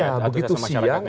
ya begitu siang